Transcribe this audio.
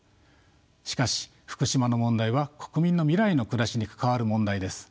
しかし福島の問題は国民の未来の暮らしに関わる問題です。